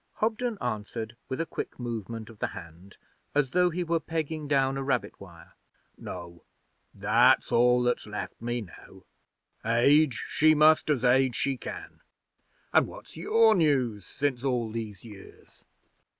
Hobden answered with a quick movement of the hand as though he were pegging down a rabbit wire. 'No. That's all that's left me now. Age she must as Age she can. An' what's your news since all these years?'